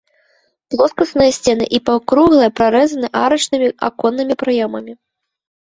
Плоскасныя сцены і паўкруглая прарэзаны арачнымі аконнымі праёмамі.